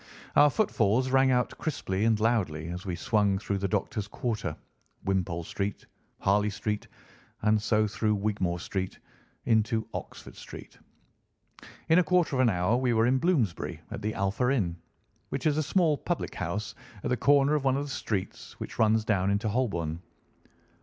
Our footfalls rang out crisply and loudly as we swung through the doctors' quarter, Wimpole Street, Harley Street, and so through Wigmore Street into Oxford Street. In a quarter of an hour we were in Bloomsbury at the Alpha Inn, which is a small public house at the corner of one of the streets which runs down into Holborn.